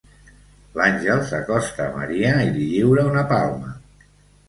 L'àngel s'acosta a Maria i li lliura una palma.